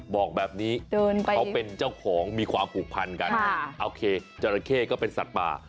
บอกแบบนี้เขาเป็นเจ้าของมีความผูกพันกันโอเคจราเข้ก็เป็นสัตว์ป่า